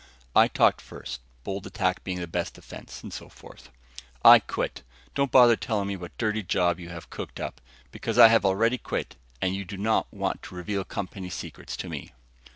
I talked first, bold attack being the best defense and so forth. "I quit. Don't bother telling me what dirty job you have cooked up, because I have already quit and you do not want to reveal company secrets to me."